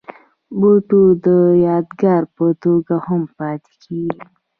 بوټونه د یادګار په توګه هم پاتې کېږي.